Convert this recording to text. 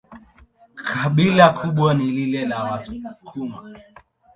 Kabila kubwa ni lile la Wasukuma.